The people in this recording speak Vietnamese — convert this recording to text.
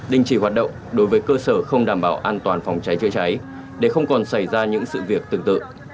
đình chỉ hoạt động đối với cơ sở không đảm bảo an toàn phòng cháy chữa cháy để không còn xảy ra những sự việc tương tự